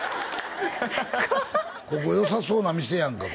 ここよさそうな店やんか